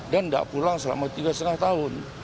dan tidak pulang selama tiga setengah tahun